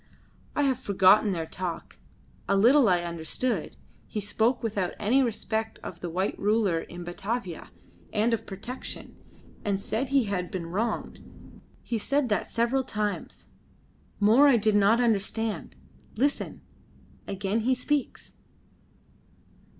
"I have forgotten their talk. A little I understood. He spoke without any respect of the white ruler in Batavia, and of protection, and said he had been wronged; he said that several times. More I did not understand. Listen! Again he speaks!"